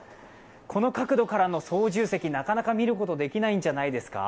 この角度からの操縦席、なかなか見ることできないんじゃないですか。